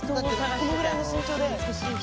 このぐらいの身長で。